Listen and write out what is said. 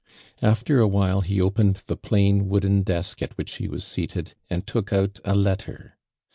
After a while he opened the plain wooden desk at which he was B(Mited and took out a letter.